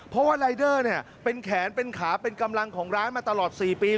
เพราะว่ารายเดอร์เป็นแขนเป็นขาเป็นกำลังของร้านมาตลอด๔ปี